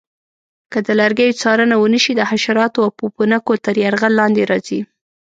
که د لرګیو څارنه ونه شي د حشراتو او پوپنکو تر یرغل لاندې راځي.